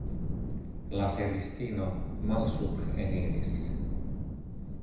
La servistino malsupreniris.